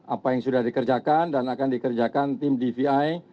apa yang sudah dikerjakan dan akan dikerjakan tim dvi